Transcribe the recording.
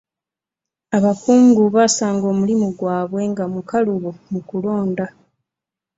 Abakungu baasanga omulimu gwabwe nga mukalubu mu kulonda.